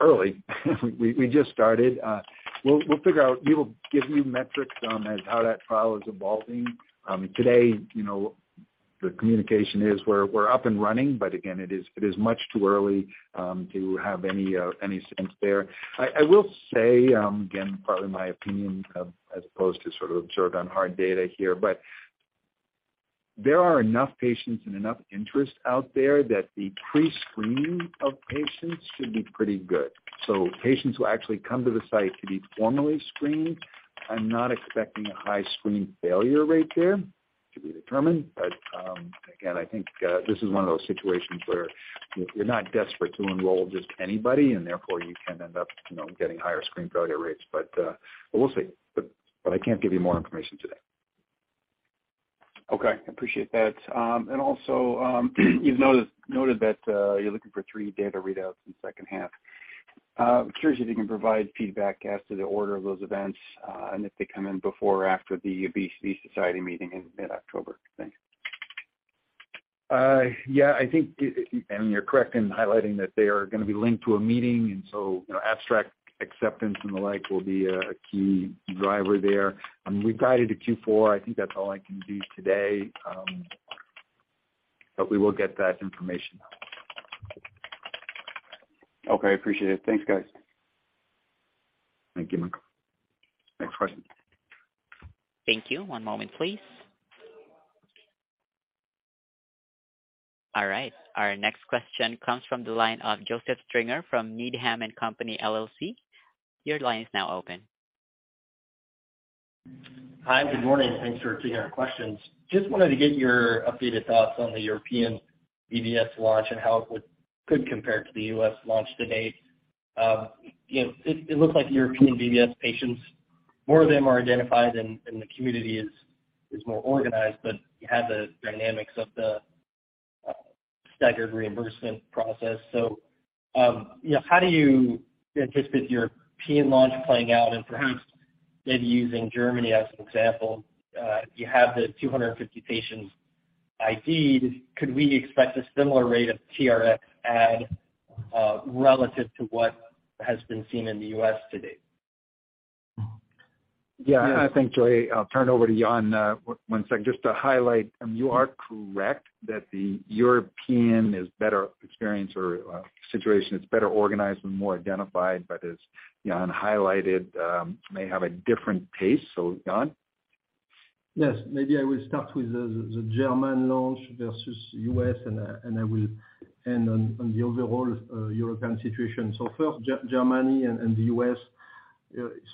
Early, we just started. We will give you metrics on as how that trial is evolving. Today, you know, the communication is we're up and running, again, it is much too early to have any sense there. I will say, again, probably my opinion, as opposed to sort of observed on hard data here. There are enough patients and enough interest out there that the pre-screening of patients should be pretty good. Patients who actually come to the site to be formally screened, I'm not expecting a high screen failure rate there to be determined. Again, I think, this is one of those situations where you're not desperate to enroll just anybody, and therefore you can end up, you know, getting higher screen failure rates. We'll see. I can't give you more information today. Okay. Appreciate that. Also, you've noted that you're looking for three data readouts in second half. Curious if you can provide feedback as to the order of those events, and if they come in before or after the Obesity Society meeting in mid-October? Thanks. Yeah. I think, and you're correct in highlighting that they are gonna be linked to a meeting. You know, abstract acceptance and the like will be a key driver there. We've guided to Q4. I think that's all I can do today. We will get that information out. Okay. Appreciate it. Thanks, guys. Thank you, Michael. Next question. Thank you. One moment, please. All right. Our next question comes from the line of Joseph Stringer from Needham & Company, LLC. Your line is now open. Hi. Good morning. Thanks for taking our questions. Just wanted to get your updated thoughts on the European BBS launch and how it could compare to the U.S. launch to date. You know, it looks like European BBS patients, more of them are identified and the community is more organized, but you have the dynamics of the staggered reimbursement process. You know, how do you anticipate the European launch playing out and perhaps maybe using Germany as an example, if you have the 250 patients ID'd, could we expect a similar rate of TRx add relative to what has been seen in the U.S. to date? Yeah. Thanks, Joey. I'll turn over to Yann, one second just to highlight. You are correct that the European is better experience or situation. It's better organized and more identified, but as Yann highlighted, may have a different pace. Yann. Yes. Maybe I will start with the German launch versus U.S., and I will end on the overall European situation. First Germany and the U.S.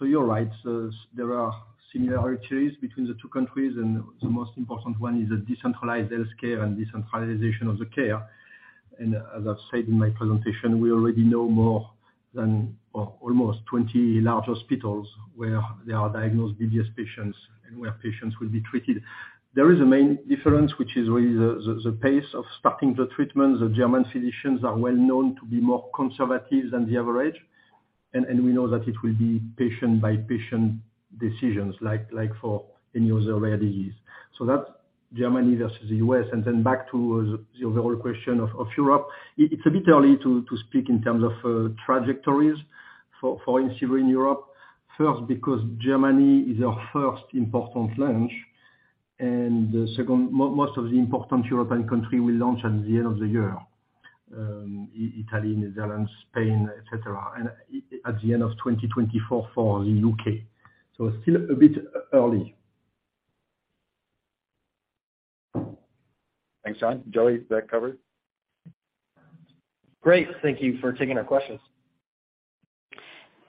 You're right. There are similarities between the two countries, and the most important one is the decentralized health care and decentralization of the care. As I've said in my presentation, we already know more than or almost 20 large hospitals where there are diagnosed BBS patients and where patients will be treated. There is a main difference, which is really the pace of starting the treatment. The German physicians are well known to be more conservative than the average. We know that it will be patient by patient decisions like for any other rare disease. That's Germany versus the U.S. Back to the overall question of Europe. It's a bit early to speak in terms of trajectories for IMCIVREE in Europe. First, because Germany is our first important launch. Second, most of the important European country will launch at the end of the year, Italy, Netherlands, Spain, et cetera, and at the end of 2024 for the U.K. Still a bit early. Thanks, Yann. Joey, is that covered? Great. Thank you for taking our questions.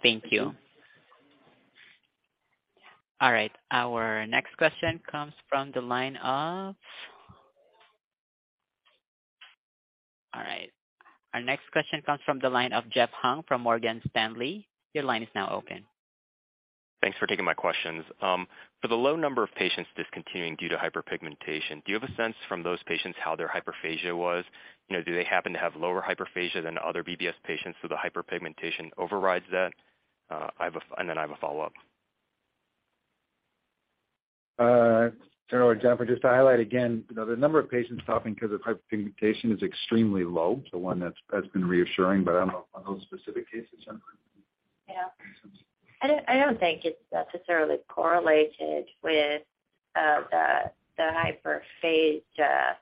Thank you. All right. Our next question comes from the line of Jeffrey Hung from Morgan Stanley. Your line is now open. Thanks for taking my questions. For the low number of patients discontinuing due to hyperpigmentation, do you have a sense from those patients how their hyperphagia was? You know, do they happen to have lower hyperphagia than the other BBS patients, so the hyperpigmentation overrides that? Then I have a follow-up. Sure. Jeff, just to highlight again, you know, the number of patients stopping 'cause of hyperpigmentation is extremely low. One that's been reassuring, but I don't know on those specific cases. Jennifer? Yeah. I don't, I don't think it's necessarily correlated with the hyperphagia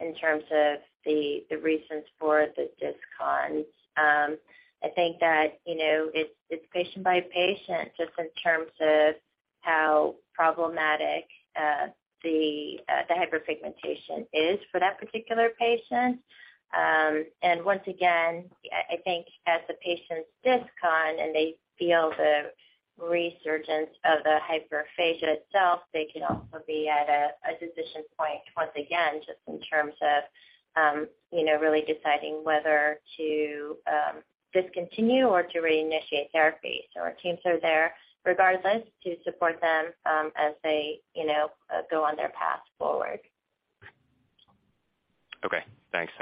in terms of the reasons for the discons. I think that, you know, it's patient by patient just in terms of how problematic the hyperpigmentation is for that particular patient. And once again, I think as the patients discon and they feel the resurgence of the hyperphagia itself, they can also be at a decision point once again just in terms of, you know, really deciding whether to discontinue or to reinitiate therapy. Our teams are there regardless to support them as they, you know, go on their path forward. Okay, thanks.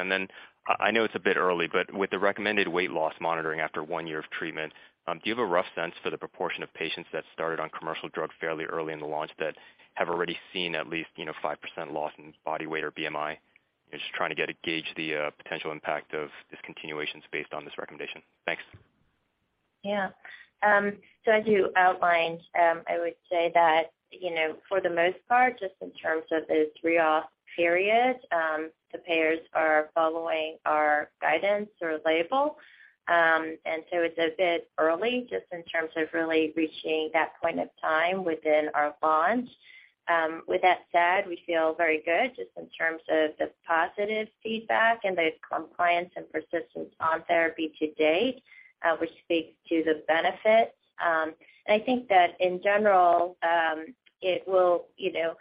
I know it's a bit early, but with the recommended weight loss monitoring after one year of treatment, do you have a rough sense for the proportion of patients that started on commercial drug fairly early in the launch that have already seen at least, you know, 5% loss in body weight or BMI? Just trying to get a gauge the potential impact of discontinuations based on this recommendation. Thanks. Yeah. As you outlined, I would say that, you know, for the most part, just in terms of those reoff periods, the payers are following our guidance or label. It's a bit early just in terms of really reaching that point of time within our launch. With that said, we feel very good just in terms of the positive feedback and the compliance and persistence on therapy to date, which speaks to the benefits. I think that in general, it will, you know,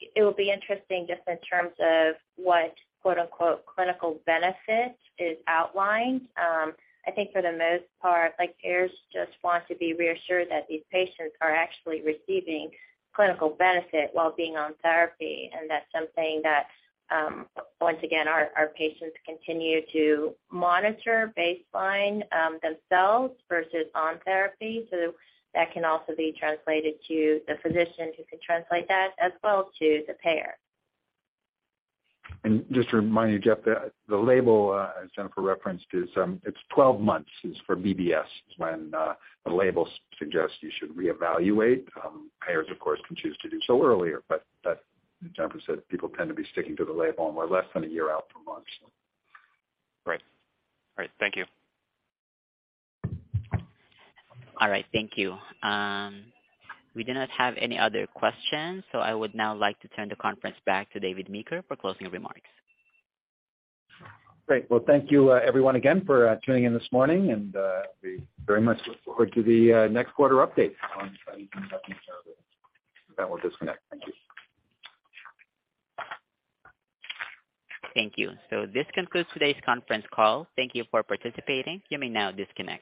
it will be interesting just in terms of what quote-unquote, clinical benefit is outlined. I think for the most part, like payers just want to be reassured that these patients are actually receiving clinical benefit while being on therapy. That's something that, once again, our patients continue to monitor baseline, themselves versus on therapy. That can also be translated to the physician who can translate that as well to the payer. Just to remind you, Jeff, the label, as Jennifer referenced is, it's 12 months is for BBS, is when the label suggests you should reevaluate. Payers of course, can choose to do so earlier, but Jennifer said people tend to be sticking to the label and we're less than a year out for launch. Right. Right. Thank you. All right. Thank you. We do not have any other questions. I would now like to turn the conference back to David Meeker for closing remarks. Great. Well, thank you, everyone again for tuning in this morning, and we very much look forward to the next quarter update on Rhythm therapy. With that we'll disconnect. Thank you. Thank you. This concludes today's conference call. Thank you for participating. You may now disconnect.